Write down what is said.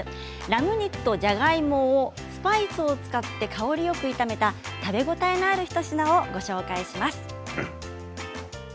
ラム肉とじゃがいもをスパイスを使って香りよく炒めた食べ応えのある一品をご紹介します。